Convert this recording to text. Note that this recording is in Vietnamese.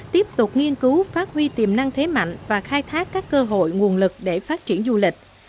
tiếp tục nghiên cứu phát huy tiềm năng thế mạnh và khai thác các cơ hội nguồn lực để phát triển du lịch